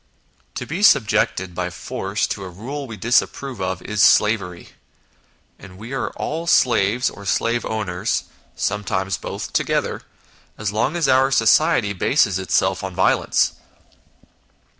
To be subjected by force to a rule we disapprove of is slavery, and we are all slaves or slave owners (sometimes both together) as long as our society bases itself on violence.